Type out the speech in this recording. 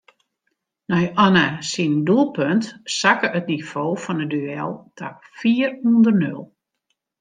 Nei Anne syn doelpunt sakke it nivo fan it duel ta fier ûnder nul.